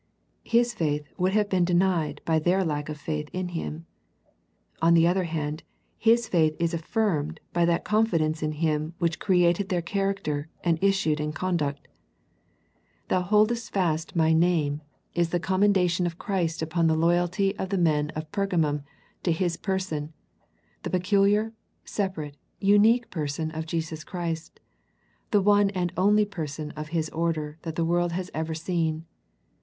His faith would have been denied by their lack of faith in Him. On the other hand. His faith is affirmed by that confidence in Him which created their character, and is sued in conduct. " Thou boldest fast My 92 A First Century Message name " is the commendation of Christ upon the loyalty of the men of Pergamum to His Per son; the pecuHar, separate, unique Person of Jesus Christ, the one and only Person of His order that the world has ever seen.